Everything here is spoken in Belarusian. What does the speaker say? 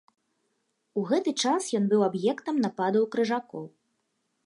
У гэты час ён быў аб'ектам нападаў крыжакоў.